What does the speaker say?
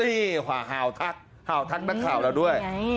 นี่แหวะท่านเป็นข่าวเราด้วย